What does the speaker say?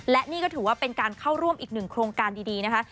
และนี่ก็ถือว่าเป็นการเข้าร่วมอีกหนึ่งโครงการดีนะคะ